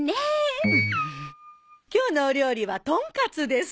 今日のお料理はトンカツです。